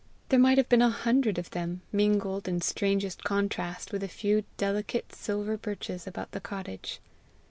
There might have been a hundred of them, mingled, in strangest contrast, with a few delicate silver birches, about the cottage.